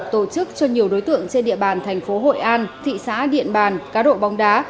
tổ chức cho nhiều đối tượng trên địa bàn thành phố hội an thị xã điện bàn cá độ bóng đá